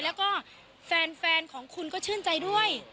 แล้วก็แฟนของคุณก็ชื่นใจด้วย